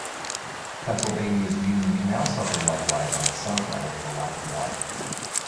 Pennsylvania's Union Canal suffered likewise on its summit level for lack of water.